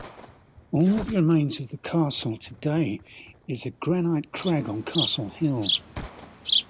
All that remains of the castle today is a granite crag on Castle Hill.